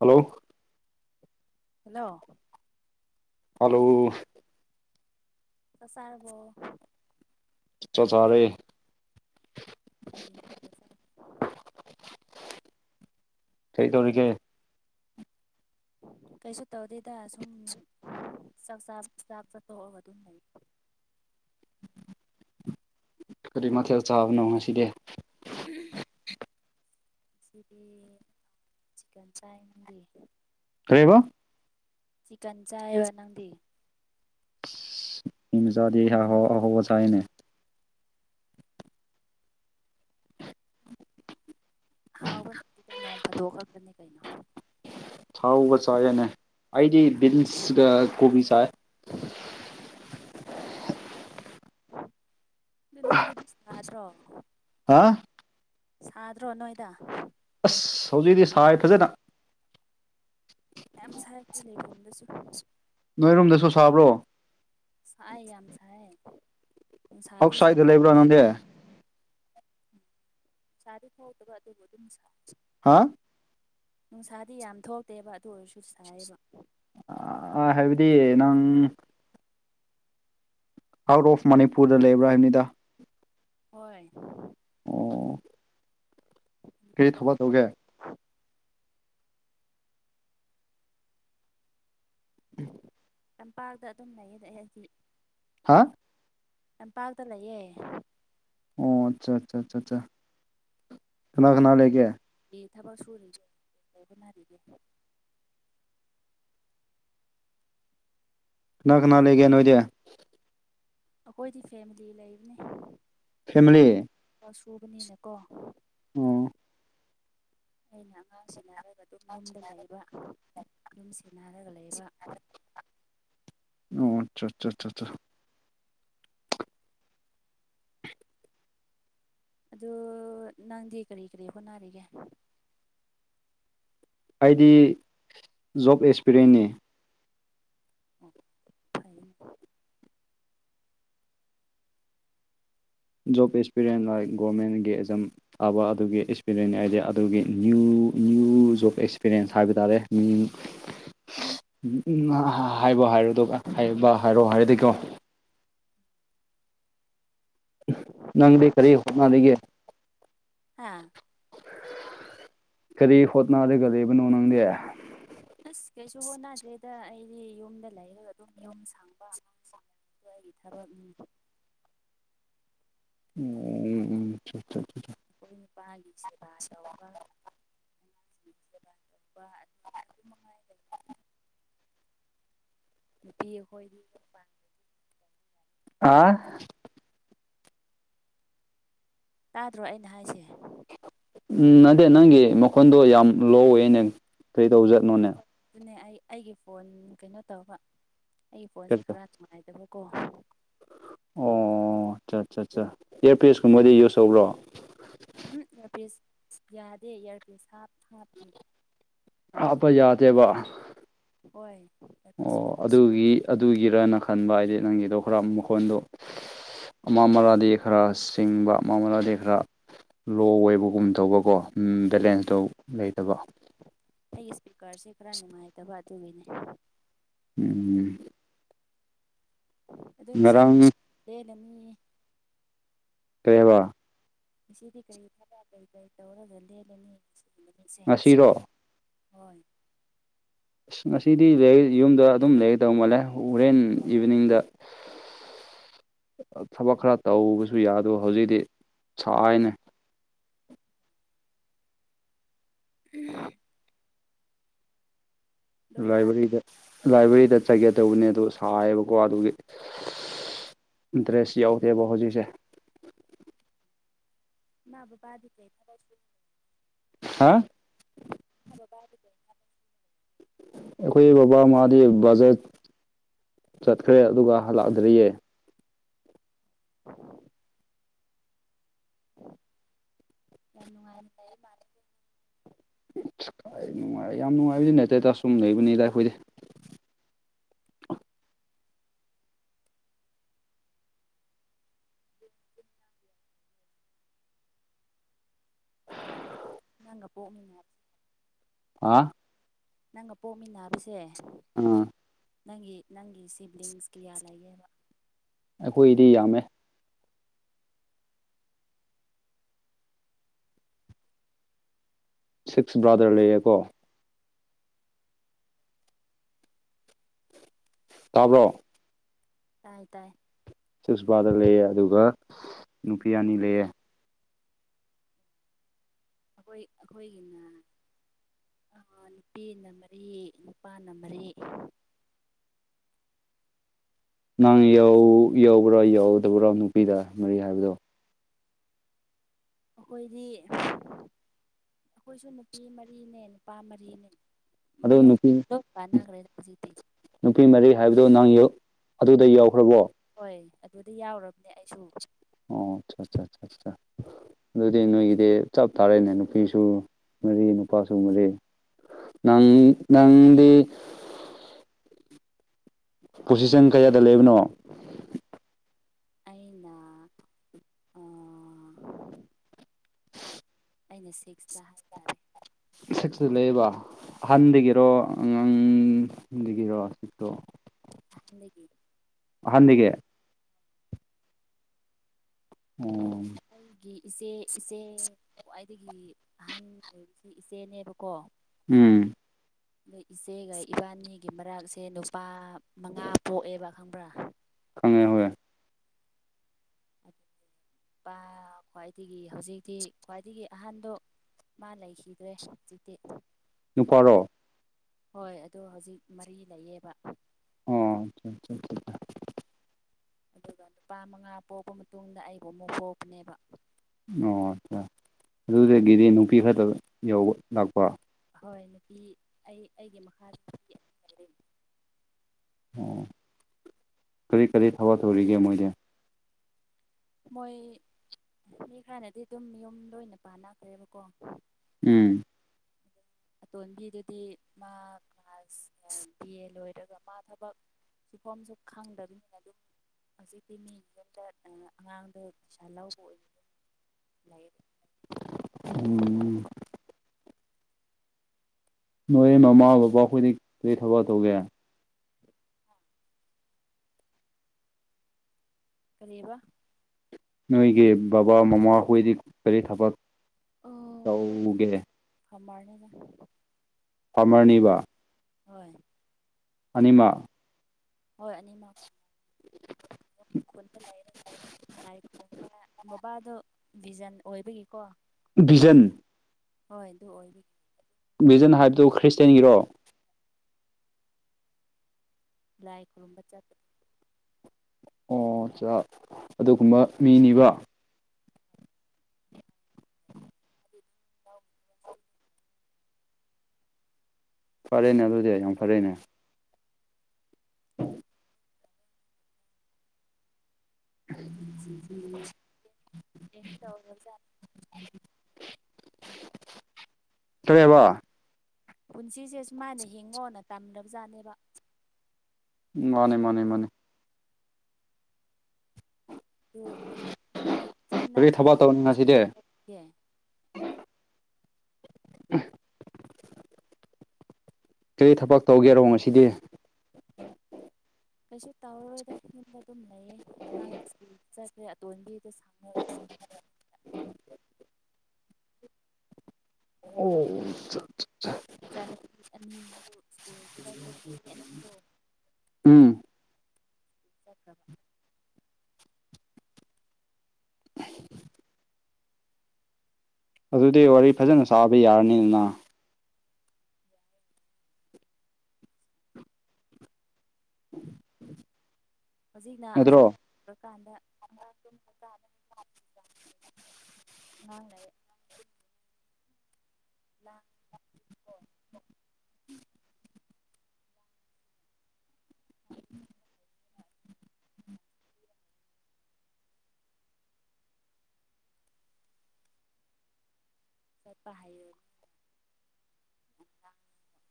Hello hello hello ꯆꯥꯛ ꯆꯥꯔꯕꯣ ꯆꯥꯛ ꯆꯥꯔ° ꯀꯔꯤ ꯍꯦꯟꯖꯥꯡ [unintelligible] ꯀꯩꯗꯧꯔꯤꯒꯦ ꯀꯩꯁꯨ ꯇꯧꯗꯦꯗ ꯁꯨꯝ ꯆꯥꯛ ꯆꯥ ꯆꯥꯛ ꯆꯥꯊꯣꯛꯑꯒ ꯑꯗꯨꯝ ꯂꯩ ꯀꯔꯤ ꯃꯊꯦꯜ ꯆꯥꯕꯅꯣ ꯉꯁꯤꯗꯤ ꯉꯁꯤꯗꯤ ꯆꯤꯛꯀꯟ ꯆꯥꯏ ꯅꯪꯗꯤ ꯀꯔꯤꯕꯥ ꯆꯤꯛꯀꯟ ꯆꯥꯏꯑꯕ ꯅꯪꯗꯤ ꯃꯤ ꯃꯆꯥꯥꯗꯤ ꯑꯍꯥꯎ ꯑꯍꯥꯎꯕ ꯆꯥꯏꯅꯦ ꯑꯍꯥꯎꯕ ꯖꯤꯗꯤ ꯅꯣꯡ ꯐꯥꯗꯣꯛ ꯈꯛꯇꯅꯤ ꯀꯩꯅꯣ ꯑꯍꯥꯎꯕ ꯆꯥꯏꯌꯦꯅꯦ ꯑꯩꯗꯤ ꯕꯤꯟꯁꯒ ꯀꯣꯕꯤ ꯆꯥꯏ ꯑꯗꯣ ꯅꯣꯏꯗꯗꯤ ꯁꯥꯗ꯭ꯔꯣ ꯍꯥ ꯁꯥꯗ꯭ꯔꯣ ꯅꯣꯏꯗ ꯑꯁ ꯍꯧꯖꯤꯗꯤ ꯁꯥꯏ ꯐꯖꯅ꯫ ꯌꯥꯝ ꯁꯥꯏ ꯈꯣꯏ‌ ꯂꯩꯕꯝꯗꯁꯨ꯫ ꯅꯣꯏꯔꯨꯝꯗꯁꯨ ꯁꯥꯕ꯭ꯔꯣ꯫ ꯁꯥꯏ ꯌꯥꯝ ꯁꯥꯏ ꯅꯨꯡꯁꯥꯗꯤ ꯌꯥꯝ ꯑꯥꯎꯠꯁꯥꯏꯗ ꯂꯩꯕ꯭ꯔꯥ ꯅꯪꯗꯤ ꯅꯨꯡꯁꯥꯗꯤ ꯊꯣꯛꯇꯕ ꯑꯗꯨꯕꯨ ꯑꯗꯨꯝ ꯁꯥ ꯍꯥ ꯅꯨꯡꯁꯥꯗꯤ ꯌꯥꯝ ꯊꯣꯛꯇꯦꯕ ꯑꯗꯨ ꯑꯣꯏꯔꯁꯨ ꯁꯥꯏꯌꯦꯕ꯫ ꯑꯥ ꯍꯥꯏꯕꯗꯤ ꯅꯪ ꯑꯥꯎꯠ ꯑꯣꯐ ꯃꯅꯤꯄꯨꯔꯗ ꯂꯩꯕ꯭ꯔꯥ ꯍꯥꯏꯕꯅꯤꯗ꯫ ꯍꯣꯏ ꯑꯣ ꯀꯔꯤ ꯃꯅꯤꯄꯨꯔꯗ ꯊꯕꯛ ꯂꯩ ꯇꯧꯒꯦ ꯇꯝꯄꯥꯛꯇ ꯑꯗꯨꯝ ꯂꯩꯌꯦꯗ ꯑꯩꯍꯥꯛꯇꯤ ꯍꯥ ꯇꯝꯄꯥꯛꯇ ꯂꯩꯌꯦ ꯑꯣ ꯑꯆꯥ ꯆꯥ ꯆꯥ ꯆꯥ ꯀꯅꯥ ꯀꯅꯥ ꯂꯩꯒꯦ꯫ ꯕꯤ ꯊꯕꯛ ꯁꯨꯔꯤ [unintelligible] ꯅ ꯀꯅ ꯂꯩꯒꯦ ꯅꯣꯏꯗꯤ꯫ ꯑꯩꯈꯣꯏꯗꯤ ꯐꯦꯃꯂꯤ ꯂꯩꯕꯅꯦ ꯑꯩꯈꯣꯏ ꯐꯦꯃꯤꯂꯤ ꯊꯕꯛ ꯁꯨꯕꯅꯤꯅꯀꯣ ꯑꯣ ꯑꯩꯅ ꯑꯉꯥꯡ ꯁꯤꯟꯅꯔꯒ ꯗꯨꯝ ꯌꯨꯝꯗ ꯂꯩꯕ ꯌꯨꯝ ꯁꯦꯟꯅꯔꯒ ꯂꯩꯕ꯫ ꯑꯣ ꯑꯆꯥ ꯆꯥꯆꯥꯆꯥ [inaudible] ꯑꯗꯨ ꯅꯪꯗꯤ ꯀꯔꯤ ꯀꯔꯤ ꯍꯣꯠꯅꯔꯤꯒꯦ꯫ ꯑꯩꯗꯤ ꯖꯣꯕ ꯑꯦꯁꯄꯤꯔꯦꯟꯅꯤ꯫ ꯑꯣ ꯐꯩꯅꯦ ꯖꯣꯕ ꯑꯦꯁꯄꯤꯔꯦꯟ ꯂꯥꯏꯛ ꯒꯣꯔꯃꯦꯟꯒꯤ ꯑꯦꯛꯖꯝ ꯊꯥꯕ ꯑꯗꯨꯒꯤ ꯑꯦꯁꯄꯤꯔꯦꯟꯅꯤ ꯍꯥꯏꯗꯤ ꯑꯗꯨꯒꯤ ꯅꯌ꯭ꯨ ꯅꯌ꯭ꯨ ꯖꯣꯕ ꯑꯦꯁꯄꯤꯔꯦꯟꯁ ꯍꯥꯏꯕ ꯇꯥꯔꯦ꯫ ꯎꯝ ꯎꯝꯉꯥ ꯍꯥꯏꯕ ꯍꯥꯏꯔꯣꯗꯣ ꯍꯥꯏꯕ ꯍꯥꯏꯔꯣ ꯍꯥꯏꯔꯗꯤꯀꯣ ꯫ ꯅꯪꯗꯤ ꯀꯔꯤ ꯍꯣꯠꯅꯔꯤꯒꯦ꯫ ꯍꯥꯥ ꯀꯔꯤ ꯍꯣꯠꯅꯔꯒ ꯂꯩꯕꯅꯣ ꯅꯪꯗꯤ꯫ ꯑꯁ ꯀꯩꯁꯨ ꯍꯣꯠꯅꯗ꯭ꯔꯦꯗ ꯑꯩꯗꯤ ꯌꯨꯝꯗ ꯂꯩꯔꯒ ꯗꯨꯝ ꯌꯨꯝ ꯁꯥꯡꯕ ꯑꯉꯥꯡꯁꯤꯡ ꯕ ꯑꯩꯒꯤ ꯊꯕꯛꯅꯤ ꯎꯝ ꯑꯣ ꯎꯝ ꯎꯝ ꯁꯥ ꯁꯥ ꯁꯥ [unintelligible] ꯑꯩꯈꯣꯏ ꯅꯨꯄꯥꯒꯤ ꯁꯦꯕꯥ ꯇꯧꯕꯥ ꯕꯥ ꯑꯗꯨ ꯑꯗꯨꯃꯉꯥꯏ [unintelligible] ꯅꯨꯄꯤ ꯑꯩꯈꯣꯏꯗꯤ ꯄꯥꯟꯕꯒꯤ ꯑꯥ ꯇꯥꯗ꯭ꯔꯣ ꯑꯩꯅ ꯍꯥꯏꯁꯦ ꯎꯝ ꯅꯗꯦ ꯅꯪꯒꯤ ꯃꯈꯣꯟꯗꯣ ꯌꯥꯝ ꯂꯣꯑꯣꯏꯅꯦ ꯀꯔꯤ ꯇꯧꯖꯥꯥꯠꯅꯣꯅꯦ꯫ ꯗꯨꯅꯦ ꯑꯩ ꯑꯩꯒꯤ ꯐꯣꯟ ꯀꯩꯅꯣ ꯇꯧꯕ ꯑꯩꯒꯤ ꯐꯣꯟꯁꯦ ꯀꯔꯤ ꯈꯔ ꯇꯧ- ꯅꯨꯡꯉꯥꯏꯗꯕꯀꯣ꯫ ꯑꯣ ꯑꯆꯥ ꯆꯥ ꯆꯥ ꯏꯌꯥꯔꯄꯤꯁꯀꯨꯝꯕꯗꯤ ꯌꯨꯁ ꯇꯧꯕ꯭ꯔꯣ꯫ ꯎꯝ ꯏꯌꯥꯔꯄꯤꯁ ꯌꯥꯗꯦ ꯏꯌꯥꯔꯄꯤꯁ ꯍꯥꯞ ꯍꯥꯞꯇꯦ꯫ ꯍꯥꯞꯄ ꯌꯥꯗꯦꯕ ꯑꯣꯏ ꯑꯣ ꯑꯗꯨꯒꯤ ꯑꯗꯨꯒꯤꯔꯅ ꯈꯟꯕ ꯑꯥꯏꯗꯤ ꯅꯪꯒꯤꯗꯣ ꯈꯔ ꯃꯈꯣꯟꯗꯣ ꯑꯃ ꯃꯔꯥꯗꯤ ꯈꯔ ꯁꯤꯡꯕ ꯑꯃ ꯃꯔꯥꯗꯤ ꯈꯔ ꯂꯣ ꯑꯣꯏꯕꯒꯨꯝ ꯇꯧꯕꯀꯣ ꯎꯝ ꯕꯦꯂꯦꯟꯁꯇꯣ ꯂꯩꯇꯕ ꯑꯩ ꯏꯁꯄꯤꯀꯔꯁꯦ ꯈꯔ ꯅꯨꯡꯉꯥꯏꯇꯕ ꯑꯗꯨꯒꯤꯅꯦ ꯎꯝ ꯑꯗꯨꯒꯤ ꯁꯤꯗꯤ ꯉꯔꯥꯡ ꯂꯦꯜꯂꯅꯤ ꯀꯔꯤ ꯑꯕ ꯉꯁꯤꯗꯤ ꯀꯔꯤ ꯊꯕꯛ ꯀꯔꯤ ꯀꯔꯤ ꯇꯧꯔꯒ ꯂꯦꯜꯂꯅꯤ ꯉꯁꯤꯒꯤ ꯅꯨꯃꯤꯠꯁꯦ ꯉꯁꯤꯔꯣ ꯍꯣꯏ ꯑꯁ ꯉꯁꯤꯗꯤ ꯂꯩ ꯌꯨꯝꯗ ꯑꯗꯨꯝ ꯂꯩꯒꯗꯧ ꯃꯥꯜꯂꯦ ꯍꯣꯔꯦꯟ ꯏꯚꯤꯅꯤꯡꯗ ꯊꯕꯛ ꯈꯔ ꯇꯧꯕꯁꯨ ꯌꯥꯗꯕ ꯍꯧꯖꯤꯛꯇꯤ ꯁꯥꯏꯅꯦ [unintelligible] ꯑꯗꯣ ꯏꯃꯥ ꯂꯥꯏꯕ꯭ꯔꯦꯔꯤꯗ ꯂꯥꯏꯕ꯭ꯔꯦꯔꯤꯗ ꯆꯠꯒꯦ ꯇꯧꯕꯅꯦ ꯑꯗꯨ ꯁꯥꯏꯌꯦꯕꯀꯣ ꯑꯗꯨꯒꯤ ꯗ꯭ꯔꯦꯁ ꯌꯥꯎꯗꯦꯕ ꯍꯧꯖꯤꯛꯁꯦ ꯏꯃꯥ ꯕꯕꯥꯗꯤ ꯀꯩ ꯊꯕꯛ ꯁꯨꯏ ꯍꯥꯥ ꯍ ꯕꯕꯥꯗꯤ ꯄ꯭ꯔꯦ ꯑꯩꯈꯣꯏ ꯕꯕꯥ ꯃꯥꯗꯤ ꯕꯖꯦꯠ ꯆꯠꯈ꯭ꯔꯦ ꯑꯗꯨꯒ ꯍꯂꯥꯛꯗ꯭ꯔꯤꯌꯦ [unintelligible] ꯌꯥꯝ ꯅꯨꯡꯉꯥꯏꯅ ꯂꯩꯥꯏ ꯃꯥꯅꯦ [unintelligible] ꯅꯨꯡꯉꯥꯏ ꯌꯥꯝ ꯅꯨꯡꯉꯥꯏꯕꯗꯤ ꯅꯇꯦꯗ ꯁꯨꯝ ꯂꯩꯕꯅꯤꯗ ꯑꯩꯈꯣꯏꯗꯤ [unintelligible] ꯅꯄꯣꯛꯅꯤꯡꯉꯦ ꯑꯥ ꯅꯪꯒ ꯄꯣꯛꯃꯤꯟꯅꯕꯁꯦ ꯑꯥ ꯅꯪꯒꯤ ꯅꯪꯒꯤ ꯁꯤꯕ꯭ꯂꯤꯡꯁ ꯀꯌꯥ ꯂꯩꯒꯦꯕ ꯑꯩꯈꯣꯏꯗꯤ ꯌꯥꯝꯃꯦ ꯁꯤꯛꯁ ꯕ꯭ꯔꯥꯗꯔ ꯂꯩꯌꯦꯀꯣ ꯇꯥꯕ꯭ꯔꯣ ꯇꯥꯏ ꯇꯥꯏ ꯁꯤꯛꯁ ꯕ꯭ꯔꯥꯗꯔ ꯂꯩꯑꯦ ꯑꯗꯨꯒ ꯅꯨꯄꯤ ꯑꯅꯤ ꯂꯩꯌꯦ ꯑꯩꯈꯣꯏ ꯑꯩꯈꯣꯏꯒꯤꯅ ꯑ ꯅꯨꯄꯤꯅ ꯃꯔꯤ ꯅꯨꯄꯥꯅ ꯃꯔꯤ ꯅꯪ ꯌꯧ ꯌꯥꯎꯕ꯭ꯔꯣ ꯌꯥꯎꯗꯕ꯭ꯔꯣ ꯅꯨꯄꯤꯗ ꯃꯔꯤ ꯍꯥꯏꯕꯗꯣ ꯑꯩꯈꯣꯏꯗꯤ ꯑꯩꯈꯣꯏꯁꯨ ꯅꯨꯄꯤ ꯃꯔꯤꯅꯦ ꯅꯨꯄꯥ ꯃꯔꯤꯅꯦ ꯑꯗꯣ ꯃꯌꯨꯝ ꯅꯨꯄꯤ ꯂꯣꯞ ꯄꯥꯟꯅꯈ꯭ꯔꯦꯗ ꯍꯧꯖꯤꯛꯇꯤ ꯅꯨꯄꯤ ꯃꯔꯤ ꯍꯥꯏꯕꯗꯣ ꯅꯪ ꯌꯨ ꯑꯗꯨꯗ ꯌꯥꯎꯈ꯭ꯔꯕꯣ ꯍꯣꯏ ꯑꯗꯨꯗ ꯌꯥꯎꯔꯕꯅꯦ ꯑꯩꯁꯨ ꯑꯣ ꯑꯆꯥ ꯑꯆꯥꯆꯥꯆꯥ ꯑꯗꯨꯗꯤ ꯅꯣꯏꯒꯤꯗꯤ ꯆꯞ ꯇꯥꯔꯦꯅꯦ ꯅꯨꯄꯤꯁꯨ ꯃꯔꯤ ꯅꯨꯄꯥꯁꯨ ꯃꯔꯤ ꯅꯪ ꯅꯪꯗꯤ ꯄꯣꯖꯤꯁꯟ ꯀꯌꯥꯗ ꯂꯩꯕꯅꯣ ꯑꯩꯅ ꯑꯥ ꯑꯩꯅ ꯁꯤꯛꯁꯇ ꯍꯥꯏꯕ ꯇꯥꯔꯦ ꯁꯤꯛꯁꯗ ꯂꯩꯕ ꯑꯍꯟꯗꯒꯤꯔꯣ ꯑꯉꯥꯡꯗꯒꯤꯔꯣ ꯑꯗꫭ ꯑꯍꯟꯗꯒꯤ ꯑꯍꯟꯗꯒꯤ ꯑ ꯎꯝ ꯑꯩꯒꯤ ꯏꯆꯦ ꯏꯆꯦ ꯈ꯭ꯋꯥꯏꯗꯒꯤ ꯑꯍꯟ ꯑꯣꯏꯕꯁꯤ ꯏꯆꯦꯅꯦꯕꯀꯣ ꯎꯝ ꯅꫭꯏ ꯏꯆꯦꯒ ꯏꯕꯥꯅꯤꯒꯤ ꯃꯔꯛꯁꯦ ꯅꯨꯄꯥ ꯃꯉꯥ ꯄꯣꯛꯑꯦꯕ ꯈꯪꯕ꯭ꯔꯥ ꯈꯪꯉꯦ ꯍꯣꯏ ꯅꯨꯄꯥ ꯈ꯭ꯋꯥꯏꯗꯒꯤ ꯍꯧꯖꯤꯛꯇꯤ ꯈ꯭ꯋꯥꯏꯗꯒꯤ ꯑꯍꯟꯗꯣ ꯃꯥ ꯂꯩꯈꯤꯗ꯭ꯔꯦ ꯍꯧꯖꯤꯛꯇꯤ ꯅꯨꯄꯥꯔꯣ ꯍꯣꯏ ꯑꯗꯣ ꯍꯧꯖꯤꯛ ꯃꯔꯤ ꯂꯩꯌꯦꯕ ꯑꯣ ꯑꯗꯨꯒ ꯅꯨꯄꯥ ꯃꯉꯥ ꯄꯣꯛꯄ ꯃꯇꯨꯡꯗ ꯑꯩꯕꯨ ꯑꯃꯨꯛ ꯄꯣꯛꯄꯅꯦꯕ ꯑꯣ ꯑ ꯑꯗꯨꯗꯒꯤꯗꯤ ꯅꯨꯄꯤ ꯈꯛꯇ ꯌꯧꯕ ꯂꯥꯛꯄ ꯍꯣꯏ ꯅꯨꯄꯤ ꯑꯩ ꯑꯩꯒꯤ ꯃꯈꯥꯥꯗ ꯅꯨꯄꯤ ꯂꯩ ꯑꯣ ꯀꯔꯤ ꯀꯔꯤ ꯊꯕꯛ ꯇꯧꯔꯤꯒꯦ ꯃꯣꯏꯗꯤ ꯃꯣꯏ ꯃꯤ ꯈꯔꯅꯗꯤ ꯑꯗꯨꯝ ꯌꯨꯝ ꯂꯣꯏꯅ ꯄꯥꯟꯅꯈ꯭ꯔꯦꯕꯀꯣ ꯎꯝ ꯑꯇꯣꯟꯕꯤꯗꯨꯗꯤ ꯃꯥ ꯀ꯭ꯂꯥꯁ ꯕꯤ ꯑꯦ ꯂꯣꯏꯔꯒ ꯃꯥ ꯊꯕꯛ ꯊꯤꯐꯝꯁꯨ ꯈꯪꯗꯕꯤꯅꯤ ꯑꯗꯨꯝ ꯍꯧꯖꯤꯛꯇꯤ ꯃꯤꯒꯤ ꯌꯨꯝꯗ ꯥ ꯑꯉꯥꯡꯗꯣ ꯇꯨꯏꯁꯟ ꯂꯧꯕ ꯑꯣꯏꯅ ꯂꯩ [inaudible] ꯎꯝ ꯅꯣꯏ ꯃꯃꯥ ꯕꯕꯥ ꯈꯣꯏꯗꯤ ꯀꯔꯤ ꯊꯕꯛ ꯇꯧꯒꯦ [inaudible] ꯀꯔꯤ ꯍꯥꯏꯕ ꯅꯣꯏꯒꯤ ꯕꯕꯥ ꯃꯃꯥ ꯍꯣꯏꯗꯤ ꯀꯔꯤ ꯊꯕꯛ ꯑꯣ ꯑꯩꯈꯣꯏ ꯇꯧꯒꯦ ꯐꯥꯝꯃꯔꯅꯤꯗ ꯐꯥꯝꯃꯔꯅꯤꯕ ꯍꯣꯏ ꯑꯅꯤꯃꯛ ꯍꯣꯏ ꯑꯅꯤꯃꯛ [inaudible] ꯈꯨꯟꯗ ꯂꯩꯥꯔꯒ ꯂꯥꯏ ꯈꯧꯔꯝꯕꯅ ꯕꯕꯥꯗꯣ ꯕꯤꯖꯟ ꯑꯣꯏꯕꯒꯤꯀꯣ ꯕꯤꯖꯟ ꯍꯣꯏ ꯑꯗꯨ ꯑꯣꯏꯕꯒꯤ ꯕꯤꯖꯟ ꯍꯥꯏꯕꯗꯨ ꯈ꯭ꯔꯤꯁꯇꯦꯟꯒꯤꯔꯣ ꯂꯥꯏ ꯈꯨꯔꯨꯝꯕ ꯆꯠꯄ ꯑꯣ ꯆ ꯑꯗꯨꯒꯨꯝꯕ ꯃꯤꯅꯤꯕ [inaudible] ꯐꯔꯦꯅꯦ ꯑꯗꯨꯗꯤ ꯌꯥꯝ ꯐꯔꯦꯅꯦ [inaudible] [unintelligible] ꯀꯔꯤꯍꯥꯏꯕ꯫ ꯄꯨꯟꯁꯤꯁꯦ ꯁꯨꯃꯥꯏꯅ ꯍꯤꯡꯉꯣꯅ ꯇꯝꯗꯕꯖꯥꯠꯅꯦꯕ꯫ ꯎꯝ ꯃꯥꯅꯦ ꯃꯥꯅꯦ ꯃꯥꯅꯦ꯫ ꯑꯗꯨ ꯀꯔꯤ ꯊꯕꯛ ꯇꯧꯅꯤ ꯉꯁꯤꯗꯤ [unintelligible] ꯀꯔꯤ ꯊꯕꯛ ꯇꯧꯒꯦꯔꯣ ꯉꯁꯤꯗꯤ꯫ ꯀꯩꯁꯨ ꯇꯧꯔꯔꯣꯏꯗ ꯌꯨꯝꯕ ꯑꯗꯨꯝ ꯂꯩꯌꯦ ꯑꯉꯥꯡ ꯁ꯭ꯀꯨꯜ ꯆꯠꯈ꯭ꯔꯦ ꯑꯇꯣꯟꯕꯤꯗ ꯁꯪꯅꯔꯒ ꯑꯗꯨꯝ꯫ [inaudible] ꯑꯣ꯫ ꯏꯆꯥꯅꯨꯄꯤ ꯑꯅꯤꯁꯨ ꯁ꯭ꯀꯨꯜ ꯆꯈ꯭ꯔꯦ ꯑꯁꯤ ꯑꯅꯤꯗꯣ꯫ ꯎꯝ꯫ ꯆꯠꯈꯔꯕ꯫ ꯑꯗꯨꯗꯤ ꯋꯥꯔꯤ ꯐꯖꯅ ꯁꯥꯕ ꯌꯥꯔꯅꯤꯗꯅ꯫ [inaudible] ꯍꯧꯖꯤꯛꯅ ꯅꯠꯇ꯭ꯔꯣ ꯑꯉꯥꯡ ꯀꯥꯟꯗ ꯑꯉꯥꯡ ꯇꯨꯝꯃꯤ ꯀꯥꯟꯗ [unintelligible] ꯂꯥꯡ [inaudible] ꯆꯠꯄ ꯍꯥꯏꯌꯣ꯫ [inaudible]